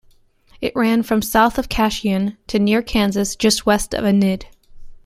It ran from south of Cashion to near Kansas just west of Enid.